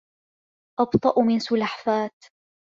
أبطأ من سلحفاة